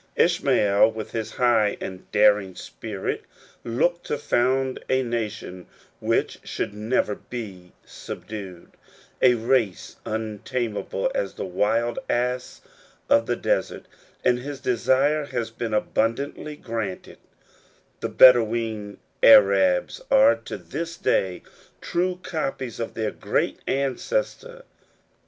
Ishmael, with his high and daring spirit, looked to found a nation which should never be subdued, a race untamable as the wild ass of the desert ; and his desire has been abundantly granted : the Bedaween Arabs are to this day true copies of their great ancestor.